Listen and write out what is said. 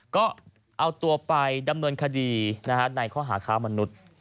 ก็เอาตัวไปดำเนินคดีในข้อหาค้ามนุษย์